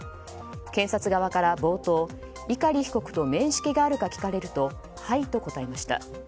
検察側から冒頭碇被告と面識があるか聞かれると、はいと答えました。